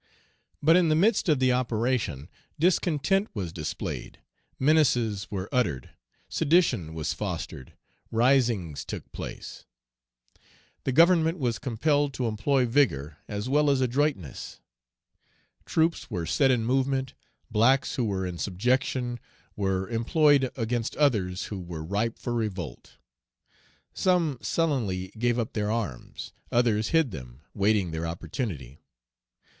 But in the midst of the operation discontent was displayed, menaces were uttered, sedition was fostered, risings took place; the Government was compelled to employ vigor as well as adroitness. Troops were set in movement, blacks who were in subjection were employed against others who were ripe for revolt; some sullenly gave up their arms, others hid them, waiting their opportunity.